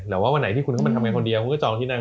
แต่ว่าวันไหนที่คุณเข้ามาทำงานคนเดียวคุณก็จองที่นั่น